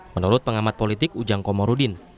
menurut pengamat politik ujang komarudin